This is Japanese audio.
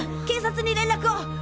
警察に連絡を！